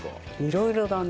色々だね。